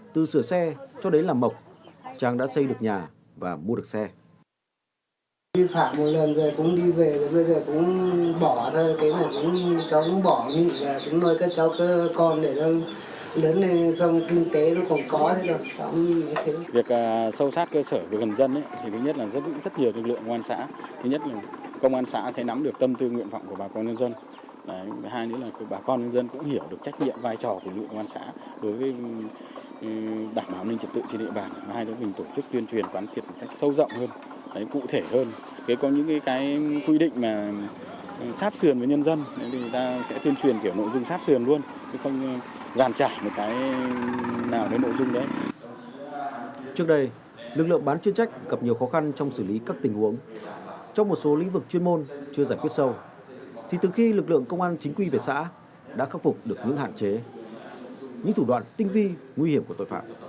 trong một số lĩnh vực chuyên môn chưa giải quyết sâu thì từ khi lực lượng công an chính quy về xã đã khắc phục được những hạn chế những thủ đoạn tinh vi nguy hiểm của tội phạm